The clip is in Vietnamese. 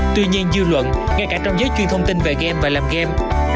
tuy nhiên dư luận ngay cả trong giới truyền thông tin về game và làm game